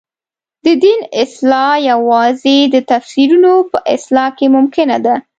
د دین اصلاح یوازې د تفسیرونو په اصلاح کې ممکنه ده.